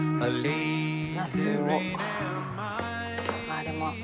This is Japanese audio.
ああでも。